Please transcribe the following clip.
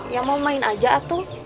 ya mau main aja atul